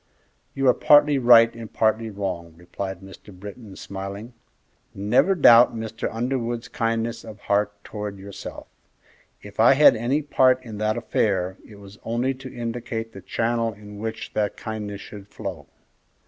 "You are partly right and partly wrong," replied Mr. Britton, smiling. "Never doubt Mr. Underwood's kindness of heart towards yourself. If I had any part in that affair, it was only to indicate the channel in which that kindness should flow."